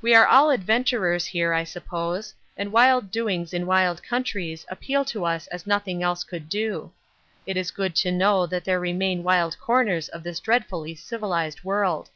We are all adventurers here, I suppose, and wild doings in wild countries appeal to us as nothing else could do. It is good to know that there remain wild corners of this dreadfully civilised world.